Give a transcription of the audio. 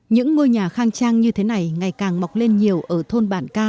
những ngôi nhà khang trang như thế này ngày càng mọc lên nhiều ở thôn bản ca